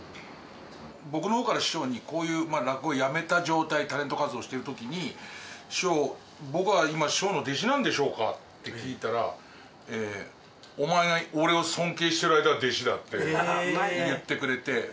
僕のほうから師匠にこういう落語辞めた状態、タレント活動してるときに、師匠、僕は今、師匠の弟子なんでしょうかって聞いたら、お前が俺を尊敬してる間は弟子だって言ってくれて。